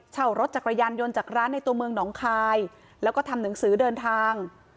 เช่ารถจักรยานยนต์จากร้านในตัวเมืองหนองคายแล้วก็ทำหนังสือเดินทาง